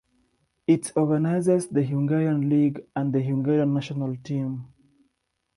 It organizes the Hungarian league and the Hungarian national team.